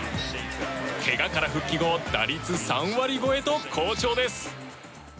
けがから復帰後打率３割超えと好調です。